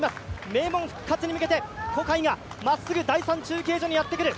名門復活に向けて小海がまっすぐ第３中継所にやってくる。